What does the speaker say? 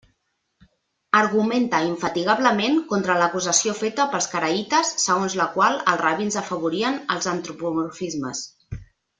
Argumenta infatigablement contra l'acusació feta pels caraïtes segons la qual els rabins afavorien els antropomorfismes.